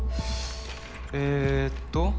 えっと